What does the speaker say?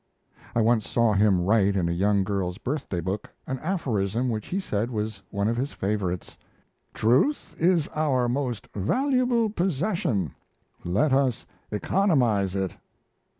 I once saw him write in a young girl's birthday book an aphorism which he said was one of his favourites "Truth is our most valuable possession. Let us economize it."